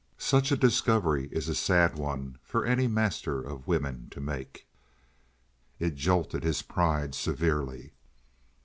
Such a discovery is a sad one for any master of women to make. It jolted his pride severely.